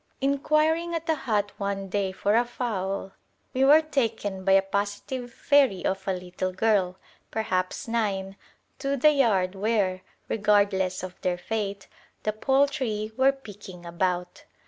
Inquiring at a hut one day for a fowl, we were taken by a positive fairy of a little girl, perhaps nine, to the yard where, "regardless of their fate," the poultry were picking about.